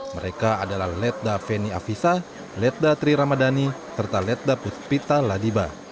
mereka adalah ledda feni afisa ledda tri ramadhani serta ledda puspita ladiba